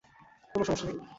কোন সমস্যা নেই।